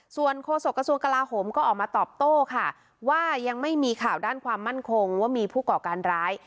ส่วนโฆษกระทรวงกลาโหมก็ออกมาตอบโต้ค่ะว่ายังไม่มีข่าวด้านความมั่นคงว่ามีผู้ก่อการร้าย